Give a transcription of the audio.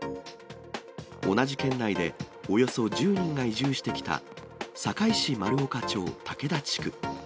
同じ県内で、およそ１０人が移住してきた坂井市丸岡町竹田地区。